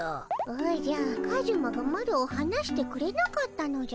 おじゃカジュマがマロをはなしてくれなかったのじゃ。